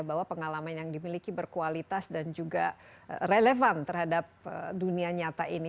bahwa pengalaman yang dimiliki berkualitas dan juga relevan terhadap dunia nyata ini